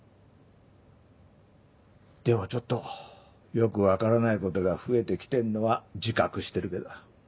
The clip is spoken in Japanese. でもちょっとよく分からないことが増えてきてんのは自覚してるけど。